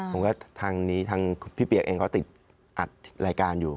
ผมก็ทางนี้ทางพี่เปียกเองเขาติดอัดรายการอยู่